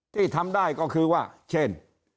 ที่ทำได้ก็คือว่าเช่น